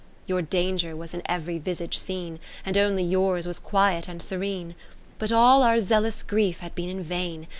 Your danger was in ev'ry visage seen, And only yours was quiet and serene. But all our zealous grief had been in vain.